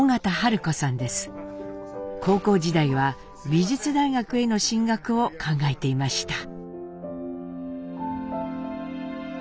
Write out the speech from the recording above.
高校時代は美術大学への進学を考えていました。